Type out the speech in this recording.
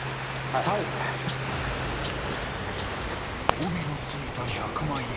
［帯の付いた１００万円］